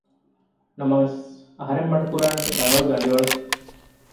ނަމަވެސް އަހަރެން މަޑު ކުރާނީ ރަނގަޅު ދަނޑިވަޅަކަށް